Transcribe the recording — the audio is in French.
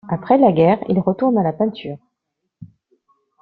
Après la guerre, il retourne à la peinture.